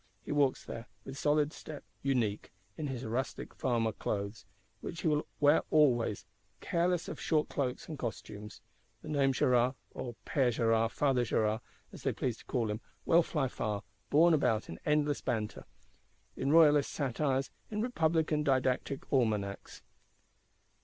He walks there, with solid step; unique, "in his rustic farmer clothes;" which he will wear always; careless of short cloaks and costumes. The name Gérard, or "Père Gérard, Father Gérard," as they please to call him, will fly far; borne about in endless banter; in Royalist satires, in Republican didactic Almanacks.